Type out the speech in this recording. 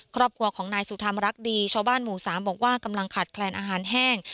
ครอบครัวของนายสุธรรมรักดีชาวบ้านหมู่๓บอกว่ากำลังขาดแคลนอาหารแห้ง